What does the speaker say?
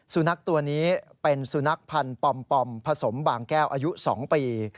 สุนัขตัวนี้เป็นสุนัขพันธ์ปอมผสมบางแก้วอายุ๒ปี